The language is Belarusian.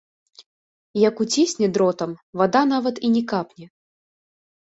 Як уцісне дротам, вада нават і не капне.